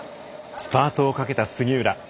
スパートをかけた杉浦。